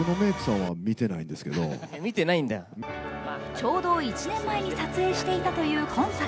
ちょうど１年前に撮影していたという今作。